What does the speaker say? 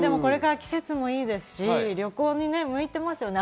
これから季節もいいですし、旅行に向いてますよね。